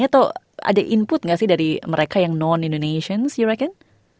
atau ada input gak sih dari mereka yang non indonesian you reckon